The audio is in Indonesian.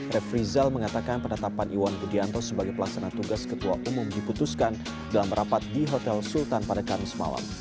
ref rizal mengatakan penetapan iwan budianto sebagai pelaksana tugas ketua umum diputuskan dalam rapat di hotel sultan pada kamis malam